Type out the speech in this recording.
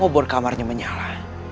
obon kamarnya menyala